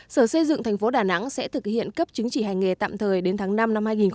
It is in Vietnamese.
sở xây dựng thành phố đà nẵng sẽ thực hiện cấp chứng chỉ hành nghề tạm thời đến tháng năm năm hai nghìn hai mươi